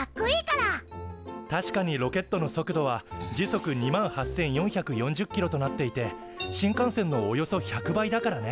確かにロケットの速度は時速２万８，４４０キロとなっていて新幹線のおよそ１００倍だからね。